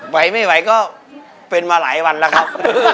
ไหวไม่ไหวก็เป็นมาหลายวันแล้วครับ